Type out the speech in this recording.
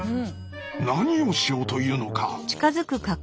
何をしようというのか。